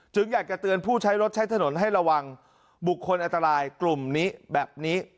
อยากจะเตือนผู้ใช้รถใช้ถนนให้ระวังบุคคลอันตรายกลุ่มนี้แบบนี้